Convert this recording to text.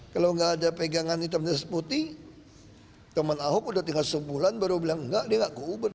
kalau nggak ada pegangan hitam dan seputih teman ahok udah tinggal sebulan baru bilang nggak dia nggak ke uber